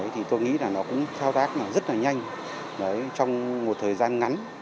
thì tôi nghĩ là nó cũng thao tác rất là nhanh trong một thời gian ngắn